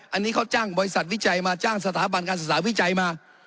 อันนี้เขาจ้างบริษัทวิจัยมาจ้างสถาบันการศึกษาวิจัยมา